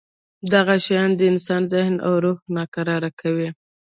دغه شیان د انسان ذهن او روح ناکراره کوي.